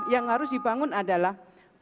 yang harus dibangun adalah